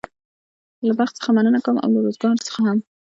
له بخت څخه مننه کوم او له روزګار څخه هم.